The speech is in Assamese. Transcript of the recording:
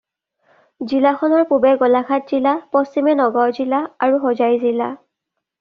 জিলাখনৰ পূবে গোলাঘাট জিলা, পশ্চিমে নগাঁও জিলা আৰু হোজাই জিলা।